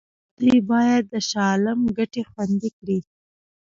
دوی باید د شاه عالم ګټې خوندي کړي.